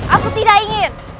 aku tidak ingin